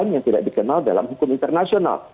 yang tidak dikenal dalam hukum internasional